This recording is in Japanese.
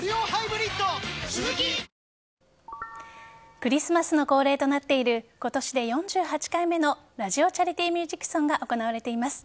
クリスマスの恒例となっている今年で４８回目のラジオ・チャリティ・ミュージックソンが行われています。